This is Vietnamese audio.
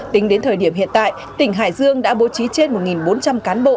tính đến thời điểm hiện tại tỉnh hải dương đã bố trí trên một bốn trăm linh cán bộ